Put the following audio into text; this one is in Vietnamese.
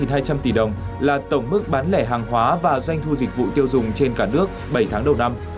hai trăm linh tỷ đồng là tổng mức bán lẻ hàng hóa và doanh thu dịch vụ tiêu dùng trên cả nước bảy tháng đầu năm